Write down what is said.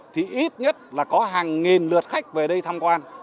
thì ít nhất là có hàng nghìn lượt khách về đây tham quan